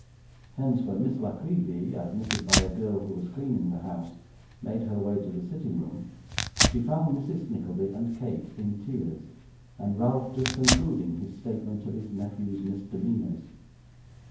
Hence, when Miss La Creevy, admitted by a girl who was cleaning the house, made her way to the sitting room, she found Mrs Nickleby and Kate in tears, and Ralph just concluding his statement of his nephew's misdemeanours.